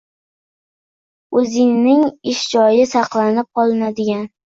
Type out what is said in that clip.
o‘zining ish joyi saqlanib qolinadigan